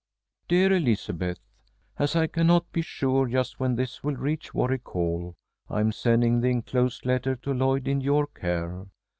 "DEAR ELIZABETH: As I cannot be sure just when this will reach Warwick Hall, I am sending the enclosed letter to Lloyd in your care.